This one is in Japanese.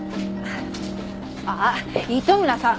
ああ糸村さん